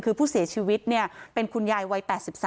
คือผู้เสียชีวิตเป็นคุณยายวัย๘๓